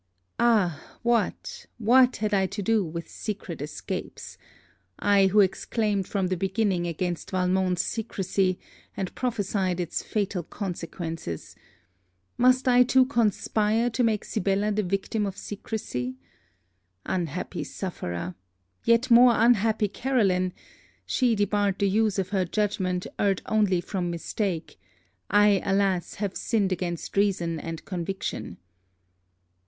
Ah! what, what had I to do with secret escapes! I, who exclaimed from the beginning against Valmont's secresy, and prophesied its fatal consequences! Must I too conspire to make Sibella the victim of secresy? Unhappy sufferer! Yet more unhappy Caroline! She, debarred the use of her judgment, erred only from mistake; I, alas! have sinned against reason and conviction!